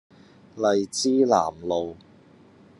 荔枝南路